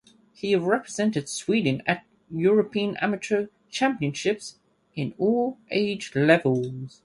He represented Sweden at European Amateur championships in all age levels.